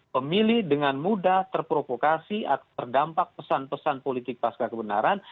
pemilih dengan mudah terprovokasi terdampak pesan pesan politik pasca kebenaran